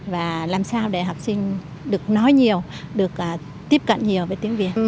và làm sao để học sinh được nói nhiều được tiếp cận nhiều với tiếng việt